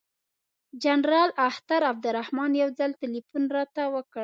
جنرال اختر عبدالرحمن یو ځل تلیفون راته وکړ.